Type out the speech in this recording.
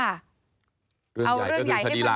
เอาเรื่องใหญ่ให้มันพเอาเรื่องใหญ่ก็คือคดีหลัก